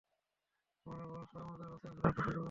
মানে বলছো আমাদের কাছে এখনো একটা সুযোগ আছে?